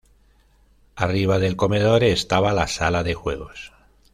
Arriba del comedor estaba la Sala de Juegos.